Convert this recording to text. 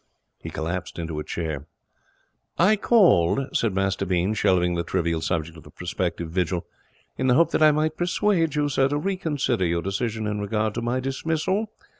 He collapsed into a chair. 'I called,' said Master Bean, shelving the trivial subject of the prospective vigil, 'in the hope that I might persuade you, sir, to reconsider your decision in regard to my dismissal.